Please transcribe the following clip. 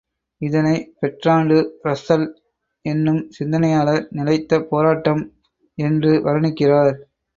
இதனை Bertrand Russell என்னும் சிந்தனையாளர் நிலைத்த போராட்டம் என்று வருணிக்கிறார்.